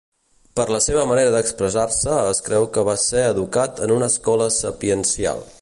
Per la seva manera d'expressar-se es creu que va ser educat en una escola sapiencial.